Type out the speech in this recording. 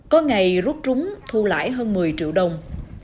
có ngày rút trúng thu lại hơn một mươi triệu đồng